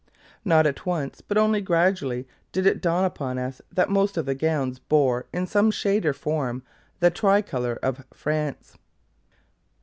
Not at once, but only gradually, did it dawn upon us that most of the gowns bore, in some shade or form, the tricolour of France!